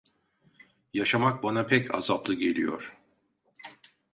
Yaşamak bana pek azaplı geliyor…